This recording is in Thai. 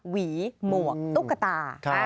หวีหมวกตุ๊กตา